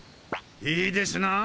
いいですなあ